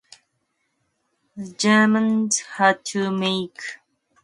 The Germans had to make payments with foreign money.